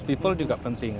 people juga penting